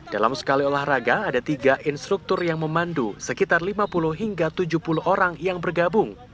dalam sekali olahraga ada tiga instruktur yang memandu sekitar lima puluh hingga tujuh puluh orang yang bergabung